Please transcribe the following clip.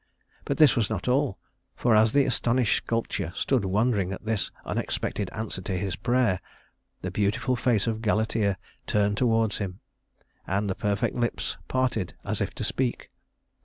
But this was not all, for as the astonished sculptor stood wondering at this unexpected answer to his prayer, the beautiful face of Galatea turned toward him, and the perfect lips parted as if to speak.